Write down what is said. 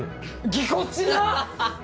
ぎこちなっ！